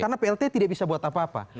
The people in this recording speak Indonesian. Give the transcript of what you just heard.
karena plt tidak bisa buat apa apa